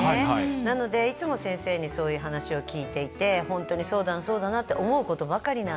なのでいつも先生にそういう話を聞いていて本当にそうだなそうだなと思うことばかりなので。